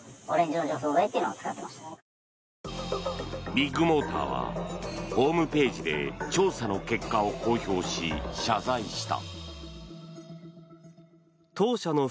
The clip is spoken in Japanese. ビッグモーターはホームページで調査の結果を公表し謝罪した。